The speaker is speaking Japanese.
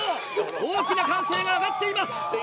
大きな歓声が上がっています。